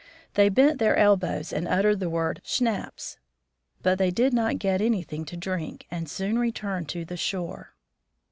They bent their elbows and uttered the word " Schnapps." But they did not get anything to drink, and soon returned to the shore.